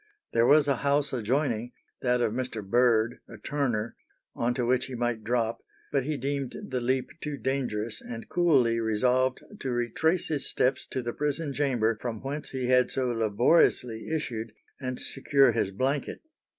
There was a house adjoining, that of Mr. Bird, a turner, on to which he might drop, but he deemed the leap too dangerous, and coolly resolved to retrace his steps to the prison chamber, from whence he had so laboriously issued, and secure his blanket.